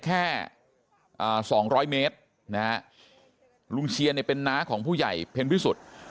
แค่สองร้อยเมตรนะฮะลุงเชียนเนี่ยเป็นน้าของผู้ใหญ่เพ็ญพิสุทธิ์